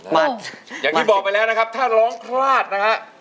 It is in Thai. อยากคือบอกไปแล้วนะครับถ้าล้องคราดนะคะ